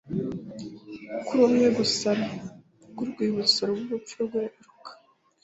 kuru umwe gusa w Urwibutso rw urupfu rwe Luka